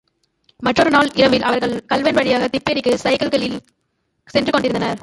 மற்றொரு நாள் இரவில் அவர்கள் கல்வென் வழியாகத் திப்பெரிக்குச் சைக்கிள்களிற் சென்று கொண்டிருந்தனர்.